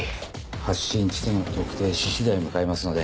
発信地点を特定し次第向かいますので。